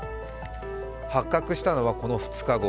発覚したのは、この２日後。